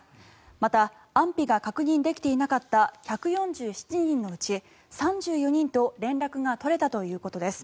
また安否が確認できていなかった１４７人のうち３４人と連絡が取れたということです。